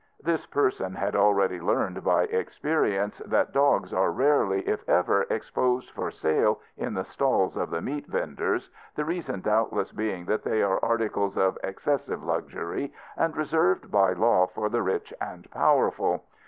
This person had already learned by experience that dogs are rarely if ever exposed for sale in the stalls of the meat venders, the reason doubtless being that they are articles of excessive luxury and reserved by law for the rich and powerful.